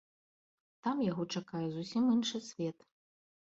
Там яго чакае зусім іншы свет.